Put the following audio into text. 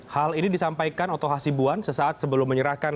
hal ini disampaikan otoh asibuan sesaat sebelum menyerahkan